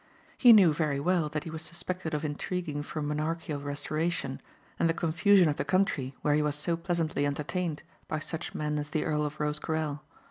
He knew very well that he was suspected of intriguing for monarchial restoration and the confusion of the country where he was so pleasantly entertained, by such men as the Earl of Rosecarrel.